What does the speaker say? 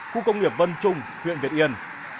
khu công nghiệp vân trung huyện việt yên